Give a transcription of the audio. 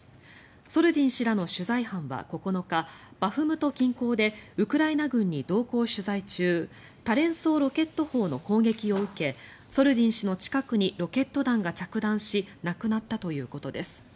ソルディン氏らの取材班は９日バフムト近郊でウクライナ軍に同行取材中多連装ロケット砲の攻撃を受けソルディン氏の近くにロケット弾が着弾し亡くなったということです。